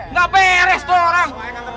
nggak beres tuh orang